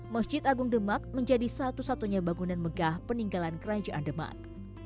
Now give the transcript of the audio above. masjid agung demak menjadi satu satunya bangunan megah peninggalan kerajaan demak